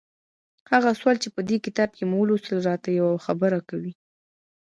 هغه اصول چې په دې کتاب کې مو ولوستل را ته يوه خبره کوي.